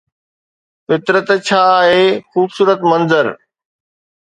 فطرت جا اهي خوبصورت منظر